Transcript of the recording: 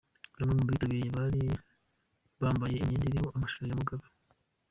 Bamwe mu bitabiriye bari mambaye imyenda iriho amashusho ya Mugabe.